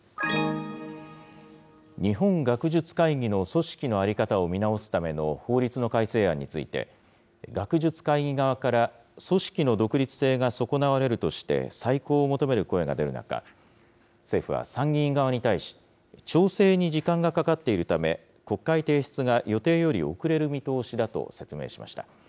日本学術会議の組織の在り方を見直すための法律の改正案について、学術会議側から組織の独立性が損なわれるとして再考を求める声が出る中、政府は参議院側に対し、調整に時間がかかっているため、国会提出が予定より遅れる見通しだと説明しました。